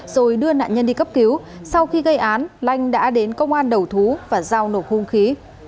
rồi đưa nạn nhân đi cấp cứu sau khi gây án lanh đã đến công an đầu thú và giao nộp hung khí